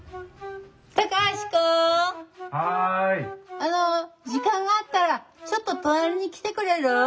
あの時間があったらちょっと隣に来てくれる？